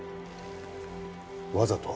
わざと？